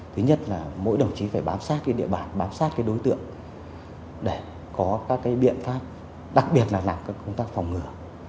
thứ nhất là mỗi đồng chí phải bám sát địa bản bám sát đối tượng để có các biện pháp đặc biệt là làm các công tác phòng ngừa